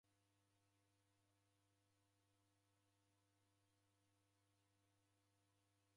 Nikamw'ona nadasikira kusirimika..